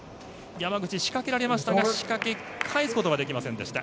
山口、仕掛けられましたが仕掛け返すことはできませんでした。